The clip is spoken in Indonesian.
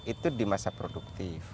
itu di masa produktif